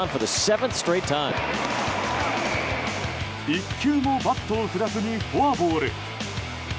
１球もバットを振らずにフォアボール。